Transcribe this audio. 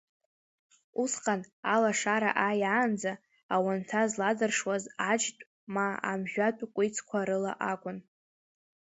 Усҟан алашара ааиаанӡа ауанҭа зладыршуаз аџьтә ма амжәатә кәицқәа рыла акәын.